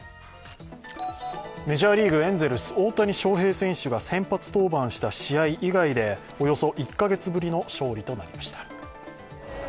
メジャーリーグ、エンゼルス大谷翔平選手が先発登板した試合以外で、およそ１カ月ぶりの勝利となりました。